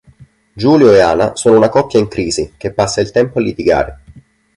Julio e Ana sono una coppia in crisi che passa il tempo a litigare.